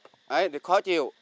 đấy thì khó chịu